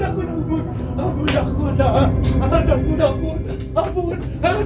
amur ampun ampun